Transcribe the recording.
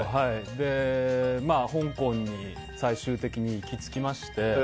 香港に最終的に行き着きまして。